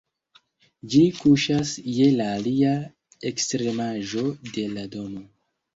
Ĝi kuŝas je la alia ekstremaĵo de la domo.